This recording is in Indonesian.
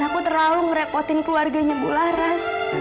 aku terlalu ngerepotin keluarganya bularas